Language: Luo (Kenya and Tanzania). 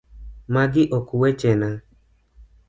Magi ok wuochena .